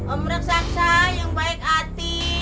om reksa reksa yang baik hati